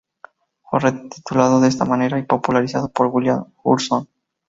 Fue retitulado de esta manera y popularizado por William Thurston.